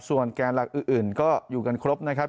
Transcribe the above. ส่วนแกนหลักอื่นก็อยู่กันครบนะครับ